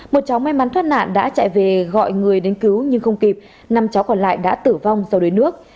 một cháu may mắn thoát nạn đã chạy về gọi người đến cứu nhưng không kịp năm cháu còn lại đã tử vong do đuối nước